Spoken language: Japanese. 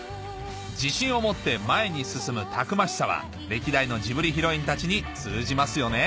自信を持って前に進むたくましさは歴代のジブリヒロインたちに通じますよね